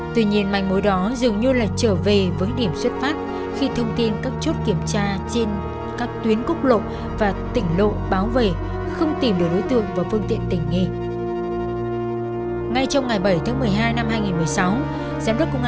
tuy nhiên manh mối đó dường như là trở về với điểm xuất phát khi thông tin các chốt kiểm tra trên các tuyến quốc lộ và tỉnh lộ báo về không tìm được đối tượng và phương tiện tỉnh nghi